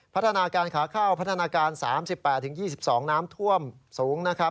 พัฒนาการขาเข้าพัฒนาการ๓๘๒๒น้ำท่วมสูงนะครับ